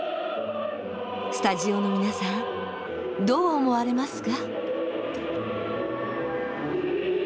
スタジオの皆さんどう思われますか？